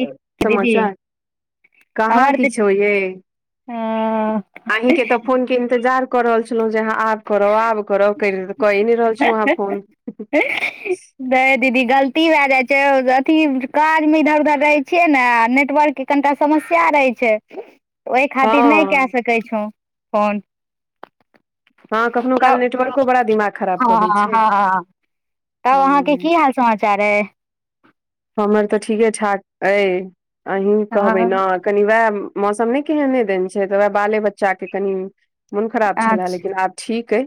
दीदी समाचार कहाँ हमर तऽ किछो यै, अ अहीं के तऽ फोन के इन्तजार कऽ रहल छलहुँ, जे अहाँ आब करब, आब करब, करर कये नहि रहल छलहुँ अहाँ फोन नहि दीदी गलती भे जाइ छै, अथी काज मे इधर -उधर रहै छियै ने नेटवर्क कनिटा समस्या रहै छै, ओहि खातिर नहि के हँ सकै छौं फोन हँ कखनो तऽ काल नेटवर्को बड़ा दिमाग खराब कऽ दै हँ छै -हँ तब अहाँके हूँ की हाल समाचार अइ? हमर तऽ ठीके ठाक अय, अहीं कहबै न कनी वैह मौसम नहि केहने दन छै, तऽ वैह बाले बच्चा के कनि मन खराब छले, लेकिन आब ठीक अइ।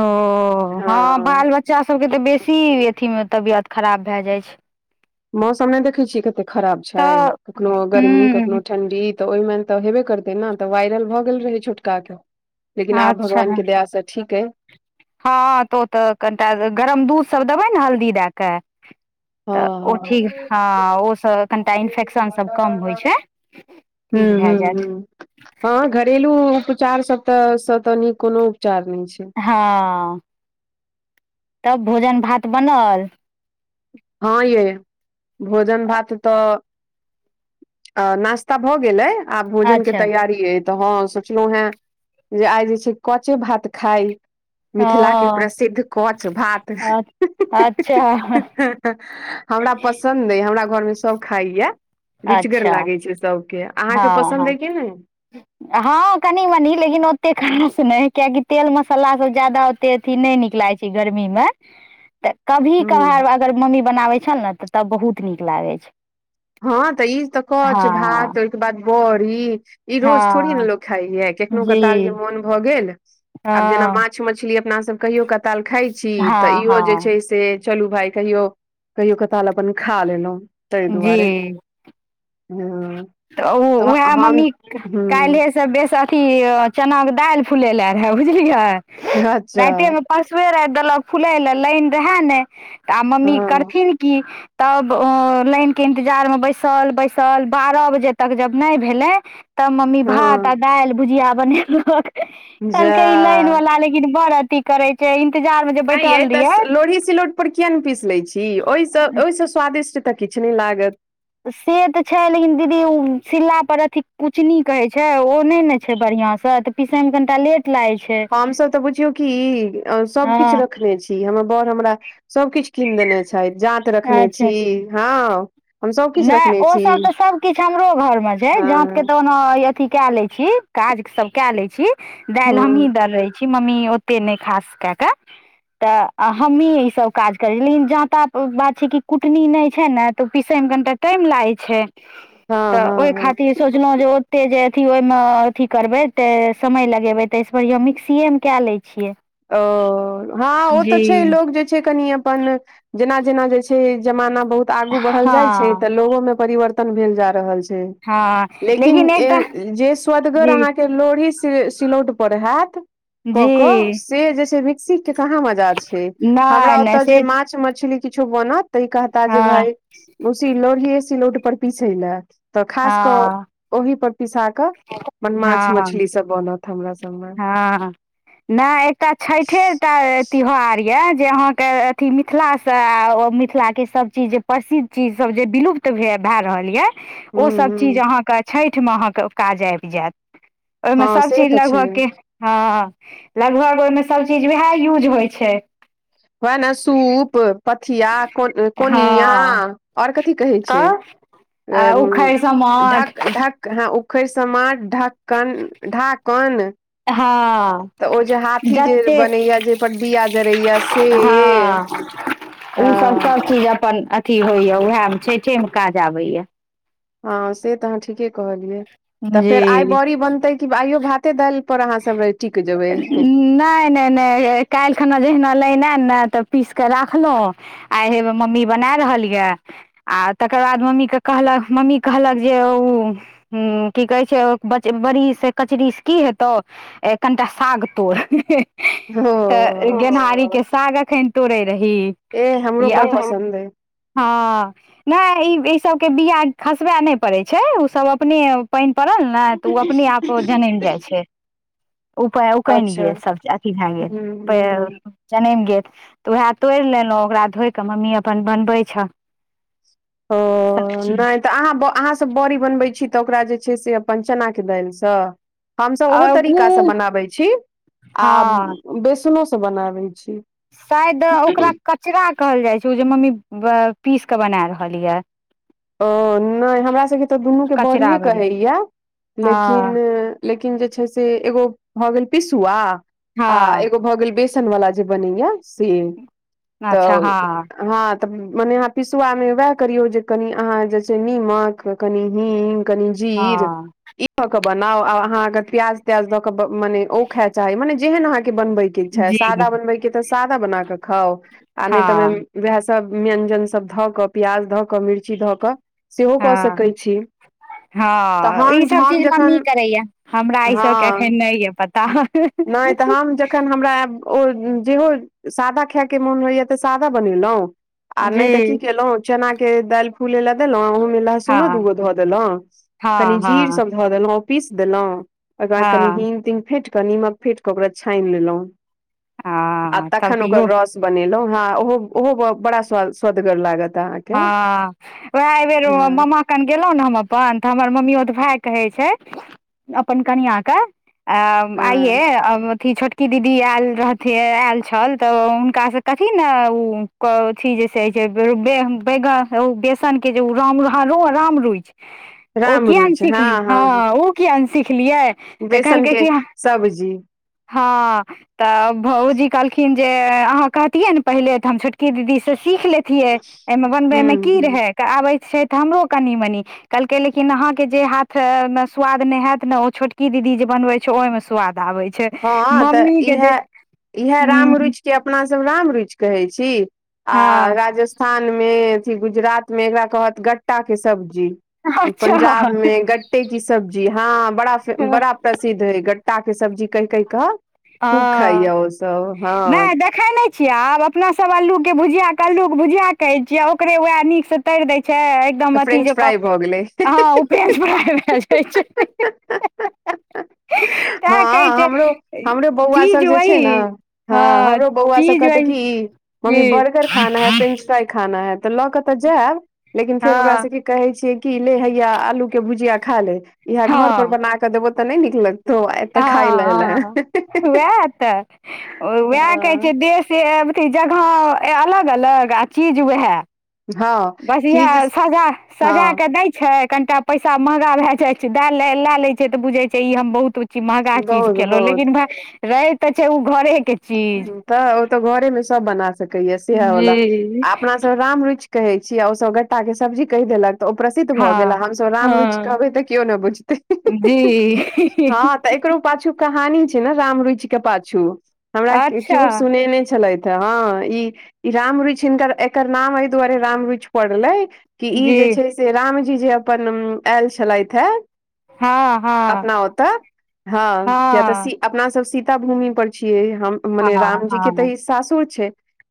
ओऽ, हँ बाल बच्चा सभके तऽ बेसी अथीमे तबियत खराब भै जाइ छै। मौसम नहि देखे छिय, कते खराब छै, तऽ कखनो गरमी हूँ कखनो ठंडी तऽ ओहि मे तऽ हेबे करतै न, तऽ वायरल भऽ गेल रहै छोटका के लेकिन आब अच्छा भगवान के दया से ठीक अय। हँ तऽ ओ तऽ कनिटा, गरम दूध सभ देबै न, हल्दी दे कऽ तऽ हँ ओ ठीक हँ हँऽ ओ स कनिटा इन्फेक्शन सभ कम होइ छै। हुं ठीक - हुं भए जायत -हु हं घरेलू उप चार सबत स त निक कोनो उपचार नहि छै। हांऽ तब भोजन भात बनल। हँ यै, भोजन भात तऽ आ नाश्ता भऽ गेल अइ, आब भोजन के अच्छा तैयारी अय। तऽ हँ सोचलहु हें जे आइ जे छै कचे भात खाइ मिथिला के हँ प्रसिद्ध कच भात अच्छा हमरा पसन्द अइ, हमरा घर में सब खाइये। रुचिगर अच्छा लागय छै सभके, अहाँके हँ पसन्द हँ अइ कि नहि। हँ कनि मनि लेकिन ओतेक खास नहि, कियाकि तेल मसला स ज्यादा एते अथी नै नीक लागै छै, गरमी में [inaudible] तऽ कभी हूँ कभार अगर मम्मी बनाबै छल न, तऽ तब बहुत नीक लागै छै। हँ तऽ ई तऽ कच हँ भात, ओहि के बाद बड़ी ई रोज थोड़ी ने हँ लोक खाइ ये, कखनो जी कताल जे मोन भ गेल हँ आब जेना माछ -मछली, अपना सब कहियो कताल खाय छी, तऽ हँ इहो जे हँ छै से चलू भाय कहियो -कहियो कताल अपन खा लेलहुँ, तहि जी दुआरे हँ तऽ उ उहै हम मम्मी काइल्हे हूँ स् बेस अथी चना के दाइल फुलै लै रहै बुझलियै अच्छा राइते में परसूए राइख देलक फुलय लै लाइन रहै नै तऽ आब मम्मी हँ करथिन की तब ओ लाइन के इंतजार में बैसल-बैसल बारह बजे तक जब नैय भेलै तब मम्मी भात आ हँ दाइल भुजिया बनेलक। जा कहलकै ई लाइन वला लेकिन बड़ अथी करै छै इंतजार में जे एँ यैय बैठल तऽ स रहियै लोढ़ी सिलौट पर किया नैय पीस लैय छी ओय स ओय स स्वादिष्ट तऽ किछ नैय लागत। से तऽ छै लेकिन दीदी उ सिलला पर अथी कुचनी कहै छै ओ नैय न छै बढ़िआँ स तऽ पिसै में कनिटा लेट क लाइ छै। हमसभ तऽ बुझियौ कि अ सबकिछ हँ रखने छी हमर बड़ हमरा सबकिछ कीन देने छैथ जाँत रखने छी हँ। हम सभकिछु नैय रखने ओ छी सब तऽ सबकिछ हमरो घर में छै हँ जाँत के तऽ [unintelligible] अथी कै लै छी काज सब कै लै छी दाइल हमहीं हँ दररै छी मम्मी ओत्ते नैय खास कए कऽ तऽ हमही ई सब काज करै लेकिन जाँता बात छै कि कुटनी नैय छैन न तऽ ओ पीस सै में कनिटा टाइम लागै छै हँ तऽ हँ ओय हँ खातिर सोचलौं जे ओ त्ते जे अथी ओयमं अथी करबै ते समय लगेबै तय स बढ़िआँ मिक्सीए में कए लै छियै। ओ हँ ओ तऽ जी छै लोग जे छै कनि अ प्पन जेना-जेना जे छै जमाना बहुत आगू बढ़ल हँ जाइ छै तऽ लोगो में परिवर् तन भेल जा रहल छै। हँ। लेकिन ए जे सुअदगर जी अहाँके लोढ़ी सि सिलौट पर हैत कऽ कऽ जी। से जे छै मिक्सी के कहाँ मजा छै नहि हमरा नहि ओतऽ जे से माछ-मछली किछो बनत तऽ ई कहता जे हँ भाय उसी लोढ़िये सिलौट पर पीसै लए तऽ खास कऽ हँ ओहि पर पिसा कऽ अपन हँ माछ-मछली सब बनत हमरा सबमें। हँ नैय एकटा छइठेटा तिहार यै जे अहाँके अथी मिथिला स आ ओ मिथिला के सब चीज जे प्रसि चीज सब जे विलुप्त भे भए रहल यै हूं ओसब चीज हूं अहाँकऽ छइठमे अहाँके काज आइब जैत। ओयमे हँ से सबचीज तऽ छै लगभग के हँ लगभग ओयमे सबचीज वएह यूज होइ छै। वैह न सूप, पथिया को कोनिया हँ और कथी कहै छै? तऽ आ उ उखड़ि समाठ ढक ढक हँ उखैर समा ढ़क्कन ढ़ाकन हँ तऽ ओ जे हाथी जे जते बनैया जेपर दिया जरैया स हँ उ सब-सब हँ सब चीज अपन अथी होइया उएह में छइठे में काज आबैया। हँ से तऽ अहाँ ठीके कहलियै तऽ फेर आइ जी बड़ी बनतै की आइयो भा ते दाइल पर अहाँ सब रै टिक जेबै। नै नै नै। काइल खना जहिना लाइन एन न तऽ पीस कऽ राखलौं आइ हेम् मम्मी बना रहल यै। आ तकर बाद मम्मी के कहलक, मम्मी कहलक जे, उ हूं की कहे छै, बड़ी से कचरी से की हेतौ। एं कनिटा साग तोड़, तऽ ओ गेनहारी के साग अखन तोरै रही। एह हमरो य बड़ अप पसन्द अय। हँ। नै ई सबके बिया खसबय नहि पड़ै छै, ओ सब अपने पाइन पड़ल ने तऽ ओ अपने आप जनैम जाइ छै। उपाय उकैन अच्छा गेल, सभ अथी भए हूँ हूँ गेल। हूँ जनमि गेल तऽ उएह तोड़ि लेलहुँ, ओकरा धोइ कऽ मम्मी अपन बनबैत छ। ओ नहि तऽ अहाँ- अहाँ सब बड़ी बनबै छी, तऽ ओकरा जे छै से अपन चना के दालि स। हमसभ आ ओहो उ तरीकासँ बनाबैत छी, आ हँ बेसनोसँ बनाबैत छी। शायद ओकरा कचरा कहल जाइ छै, ओ जे मम्मी पीस कऽ बना रहल यए। ओ नै हमरा सबके तऽ दुनूके कचरा बड़िए बड़ी कहैया। हँ लेकिन लेकिन जे छै से एगो भए गेल पिसुआ, आ हँ एगो भए गेल बेस सन वाला जे बनैया से अच्छा तऽ। हँ हँ तऽ मने अहाँ पिसुआ मे वएह करियौ जे कनि अहाँ जे निमक, कनि हिंग, कनि जीर हँ धऽ के बनाउ, आ अहाँके प्याज- त्याज दऽ के मने ओ खाय चाही, मने जेहन अहाँ के बनबे के इच्छा कम, जी सादा बनबैके तऽ सादा बना कऽ खाउ, आ नहि हँ तऽ वएह सब व्यंजन सब धऽ क, प्याज धऽ क मिर्ची धऽ कऽ सेहो कऽ हँ सकै छी। हँ तऽ हम ईसभ हम चीज मम्मी जखन करैया, हमरा ईसभके हँ अखन नहि यऽ पता। नहि तऽ हम जखन हमरा एब ओ जेहो सादा खायके मोन होइया तऽ सादा बनेलहुँ, आ जी नहि तऽ की केलहुँ चना के दैल फूलैले देलौ, ओहिमे हँ लहसुनो दू गो धऽ देलौ, कनी हँ जीर हँ सब धऽ देलौ, पिस देलौ ओकर बाद कनी हँ हिंग- तिंग फेट नीमक फेट के ओकरा छानि लेलहुं, आ हँ तब तखन तऽ ओकर इहो रस बनेलहुं, ह ओ- ओहो बड़ा स्वा- सदगर लागत आहां हँ, वएह एहि बेर मामा खन गेलहुँ ने हम अपन तऽ हमर मम्मीयोत भाय कहै छै, अपन कनियांके अ आंइये हँ अथि छोट की दीदी आयल रहथिन, आयल छल तऽ हुनकासँ कथी ने ओ क अथि जेसे बैंक बैगन ओ बेसनक के जे ओ, राम र -रो रामरुच। ओ कियान सिखली हँ ओ किया नहि सिखलियै, तऽ बेसन कहलकै के की सब्जी हँ तऽ भौउजी कहलखिन जे अहाँ कहतियै ने पहिले तऽ, हम छोटकी दीदीसँ सीख लेती। छियै एहिमे हूँ बनबै मे की हूँ रहै, आबै छै तऽ हमरो कनि- मनी। कहलकै लेकिन अहा के जे हाथ मे स्वाद नहि हैत ने, ओ छोटकी दीदी जे बनबैत तो ओहिमे स्वाद आबे छै। हँ तऽ मम्मी के जे इएह इएहे हूँ रामरुइच। जे अपना सब राम रुचि कहै छी, आ हँ राजस थान मे, अथी गुजरात में, एकरा कहत गट्टा के सब्जी। अच्छा पंजाब में गट्टे की सब्जी हँ बड़ा स बड़ा प्रसि प्रसिद्ध होइ गट्टा क सब्जी कहि कहि कऽ खूब खाइये ओ सब हँ। खाइ नै छियै आब अपना सब अल्लू के भुजिया क अल्लू क भुजिया कहै छियै ओकरे वेएह नीक सँ तरि दै छै तऽ एकदम अथी फ्रेंच जकां फ्राई भऽ गेलै हँ ओ फेंच फराइ भेए जाइ छै। तैं कहै हँअ छै हमरो- हमरो बौ बौवा सब चीज जे छै वही नऽ ह हँ हमरो बौवा सब चीज कहतै वही की, मम्मी जी बर्गर खाना है फ्रेन्च फ्राइ खाना है तऽ लऽ क तऽ जाएब लेकिन फेर ओकरा हँ से कि कहै छियै की ले हैया आलू के भुजिया खा ले इहेए घर पर हँ बना क देबौ तऽ नै नीक लग हँ हॅं वेएह तऽ वेएह कहै हँ छै देश से अब अथि जगह अलग -अलग आ चीज वेहेए हँ। बढ़ियां अइ चीज सजा - सजा हँ कऽ दै छै। कनिटा पैसा महगा भेए जाय छै देए लै लेए लै छै त बुझै छै ई हम बहुत कि महगा चीज बहुत खेलौं बहुत लेकिन भाय रहै त छै ओ घरे के तऽ ओ तऽ घरे मे सब बना सकैये सेहेए जी बला आ अपना स रामरुइच कहै छी आ ओ सब गट्टा के सब्जी कहि देलक। तऽ ओ प्रसिद्ध भऽ गेल आ हँ हमसब रामरुइच हँ कहबै तऽ कियो न बुझतैह। जी हॅं तऽ एकरो पाछू कहानी छै ने रामरूइच के पाछू हमरा कियो अच्छा सुनेने छलथि। तऽ हँ ई ई रामरुइच हिनकर एकर नाम अइ दुवारे रामरुइच पड़लै कि ई जे जी छै से रामजी जे अपन आयल छलथि हें हँ हँ अपना ओतऽ हँ किया तऽ सी अपना सब सीता भूमि पर छियै हम मने हँ रामजी के हँ तऽ ई सासुर छै।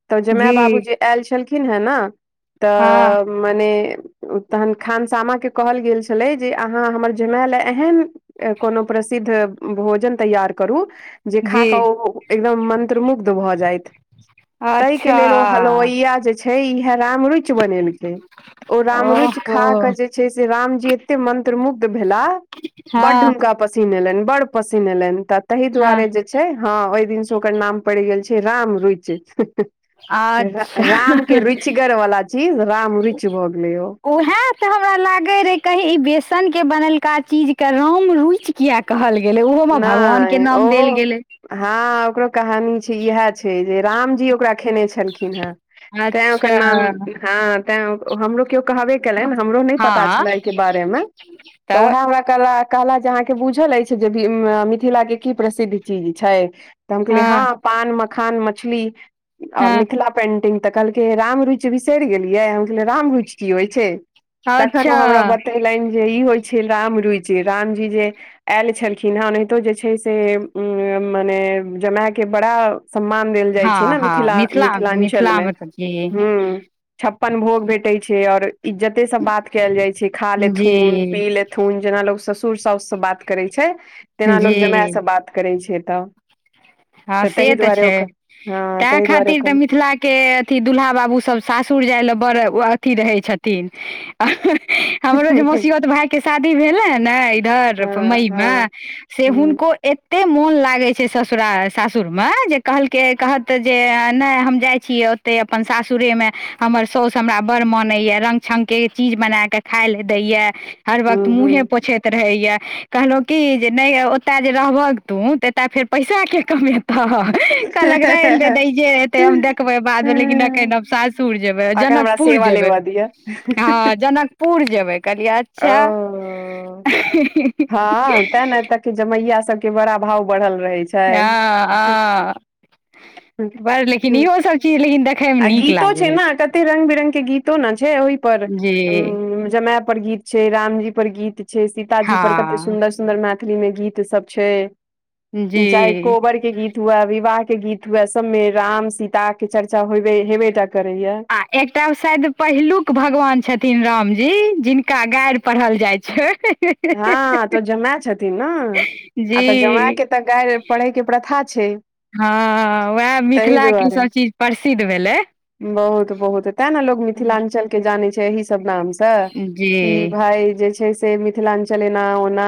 तऽ जमाए बाबू जी जे आएल छलखिन हे नऽ हँ तऽ मने तहन खानसामा के कहल गेल छलै जे अहाँ हमर जमाए ले एहन कोनो प्रसिद्ध भोजन तैयार करू जे खा जी कऽ ओ एकदम मंत्रमुग्ध भऽ जाइथ तै क अच्छा लेल ओ हलवैया जे छै इहेए रामरुइच बनेलकै ओ रामरुइच ओहो खा क जे छै से रामजी एते मंत्रमुग्ध भेला बड्ड हँ हुनका पसीन एलनि बड़ पसीन एलनि त तहि हँ दुवारे जे छै हॅं ओइ दिन स ओकर नाम पड़ि गेल छै रामरुइच। र अच्छा राम के रुचिगर बला चीज रामरुइच भऽ गेलै ओ। से हमरा लागै रहै कही इ बेसन के बनेलका चीज के राम रुइच किया कहल गेलै ओहो म भगवान के नहि नाम ओहो देल गेलै। हँ ओकरो कहानी छै इहेए छै जे रामजी ओकरा खेने छलखिन हें तें अच्छा ओकर नाम हां तें ओ हमरो कियो कहबे केलनि हमरो नै पता हँ छले अइके बारे मे त तऽ वेहेए हमरा कहला कहलथि जे अहाँके बुझल अइछ जे भी मिथिला के की प्रसिद्ध चीज छै, त हम कहलियै हँ पान, मखान, मछली और हँ मिथिला पेन्टिंग। तऽ कहलकै राम रुचि बिसरि गेलियै हम कहलियै राम रुइच की होइ छै, तखन अच्छा ओ हमरा बत बतेलनि जे ई होइ छै रामरुइच रामजी जे आएल छलखिन हें ओनहितो जे छै से मने जमाए के बड़ा सम्मान देल जाइ छै हँ ने हँ मिथिला - मिथिलांचल मिथिला मे तऽ जी हूँ। छप्पन भोग भेटै छै और इज्जते सॅं बात केएल जाइ छै खा लेथुन जी पी ले थून जेना लोग ससुर साउस स बात करै छै तेना लोग जमाए जी से बात करै छै तऽ हँ से ताहि तऽ दुआरे छै ओकर हँ तेंए ताहि दुआरे खातिर तऽ मिथिलाक के अथी, दुल्हा बाबू सब, सासुर जाइ लए बड़ अथी रहै छथिन। हमरो जे ओकर मौसिययौत भाय के शादी भेल ह ने इधर, हँ मई मे, हँ से हूँ हुनको एते मोन लागे छै, ससुरार सासुरमे, जे कहलकै कहत जे, नहि हम जाइ छियै ओते अपन सासुरेमे हमर सौस हमरा बड़ मानैय, रंग- छंग के चीज बना क खाय ले दैय। हर हूँ वक्त मुंहे हूँ पोछैत रहैया, कहलहु कि जे नहि, ओतय जे रहबहक तू, एतऽ फेर पैसा के कमेता ह। कहलक रह देही जे एते हम देखबै बादमे, हूँ लेकिन सासुर जेबै अखन जनक हमरा पुर सेवा जेबै, लेबऽ दिअ हँ, जनकपुर जेबै, कहलियै ओ च्छा [inaudible] हँ तें ने एतऽ के जमैया सब के बड़ा भाव बढ़ल रहेै छै। हँ -हँ, बड़ लेकिन इहो सब चीज, लेकिन देख आ गीतो छै ने, कते रंग -बिरंग के गीतो ने छै ओय पर, जी जमेऽ पर। पर गीत छैय, रामजी पर गीत छैय, सीताजी पर कते हँ सुन्दर -सुन्दर मैथिली मे गीत सब छैय। जी चाहे कोबर के गीत हुए, विवाह के गीत हुए, सब मे राम सीता के चर्चा। चाा होबे हेबेटा करैया। आ एकटा शैद पहिलुक भगवान छथिन, रामजी! जिनका गैर पढ़ल जाय छैन। हँ, त जमाए छथिन ने, आ तऽ जमाए जी के तऽ गैर पढ़ेै के प्रथा छैय। हँ, उएह मिथिलाके सब चीज प्रसिद्ध भेलै। बहुत -बहुत तें ने लोक मिथिलांचल के जाने छैय, एहि सब नाम से। त जी कि भाय जे छैय से, मिथिलांचल एना- ओना।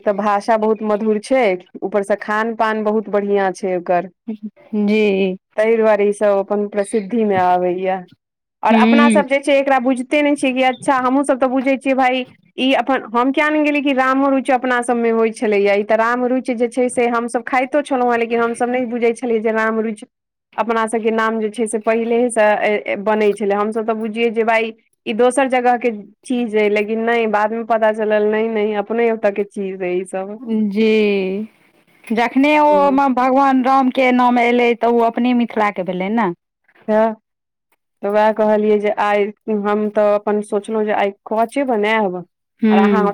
एक तऽ भाषा बहुत मधुर छैय, ऊपर सँ खान -पान बहुत बढ़ियां छै, ओकर जी! तैय दुआरे ई सब अपन प्रसिद्धि मे आबैया, और अपना हूँ सब जे ते एकरा बुइझते नै छै, की अच्छा हमहुँ सब तऽ बुझे छियै भाय, इ अप हम किया ने गेलीयै कि, रामो रुचि अपना सब मे होय छेलेै या, ई तऽ राम रुइच जे छैय से हम सब खाइतो छलौ हेँ, लेकिन हम सब नै बुझै छेलौ जे राम रुइच अपना सब के नाम जे छै से, पहिलेे सँ बनै छेलै, हम सब तऽ बुझियै जे भाय ई दोसर जगह के चीज हैय, लेकिन नै बाद मे पता चलल नै- नै अपने ओते के चीज अैछ। जी! जखने ओ मम भगवान राम! के नाम एलै तऽ, ओ अपने मिथिलाक के भेलै न। तऽ। तऽ उएह कहलियै जे आय हम तऽ अपन सोचलौ जे आय कचे बनेइब। आहाँ हूँ